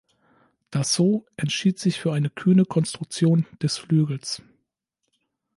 Dassault entschied sich für eine kühne Konstruktion des Flügels.